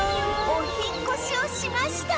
お引っ越しをしました